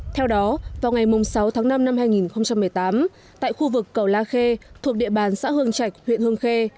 theo đó vào ngày sáu tháng năm năm hai nghìn một mươi tám tại khu vực cầu la khê thuộc địa bàn xã hương trạch huyện hương khê